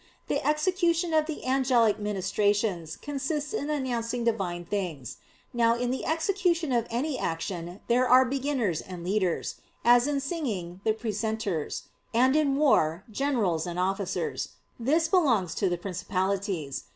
The execution of the angelic ministrations consists in announcing Divine things. Now in the execution of any action there are beginners and leaders; as in singing, the precentors; and in war, generals and officers; this belongs to the "Principalities."